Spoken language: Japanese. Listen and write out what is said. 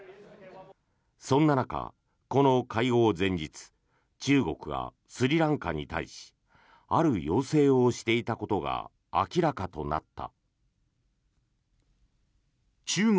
そんな中、この会合前日中国がスリランカに対しある要請をしていたことが明らかとなった。